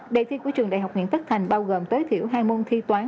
đề thi của trường đại học nguyễn tất thành bao gồm tối thiểu hai môn thi toán